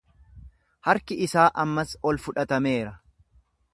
Harki isaa ammas ol fudhatameera.